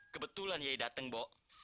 kebetulan iya datang bu